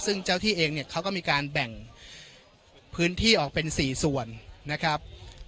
ซึ่งเจ้าที่เองเนี่ยเขาก็มีการแบ่งพื้นที่ออกเป็น๔ส่วนนะครับ